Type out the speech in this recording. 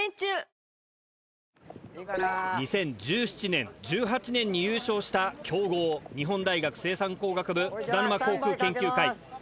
２０１７年２０１８年に優勝した強豪日本大学生産工学部津田沼航空研究会。